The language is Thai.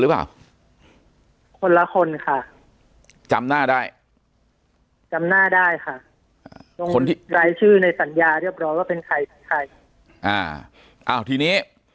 ปากกับภาคภูมิ